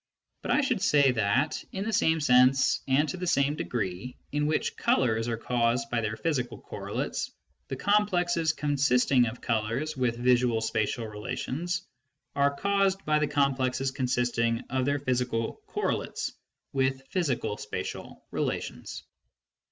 But I should say that, in the same sense and to the same degree in which colours are caused by their physical correlates, the complexes consisting of colours with visual spatial relations are caused by the complexes consisting of their physical correlates with physical spatial relations.